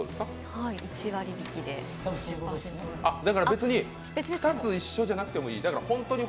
別に２つ一緒じゃなくてもいい。